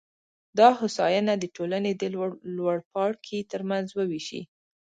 دا هوساینه د ټولنې د لوړپاړکي ترمنځ ووېشي.